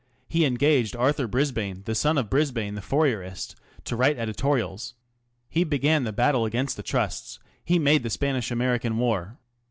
He engaged Arthur Brisbane, the son of Brisbane the Fourierist, to write editorials. He began the battle against the Trusts; he made the Spanish American war.